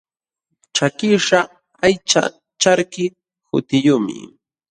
Chakiśhqa aycha charki hutiyuqmi.